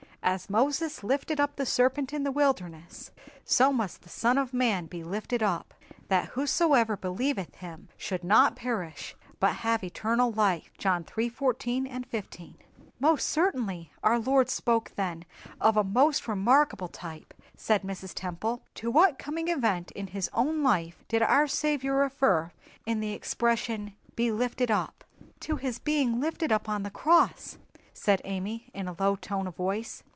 —"'_As Moses lifted up the serpent in the wilderness, so must the Son of Man be lifted up, that whosoever believeth Him should not perish, but have eternal life_,'" (John iii. 14, 15.) "Most certainly, our Lord spoke then of a most remarkable type," said Mrs. Temple. "To what coming event in his own life did our Saviour refer in the expression 'be lifted up'?" "To His being lifted up on the cross," said Amy, in a low tone of voice.